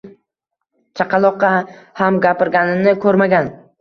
Chaqaloqqa ham gapirganini ko`rmagan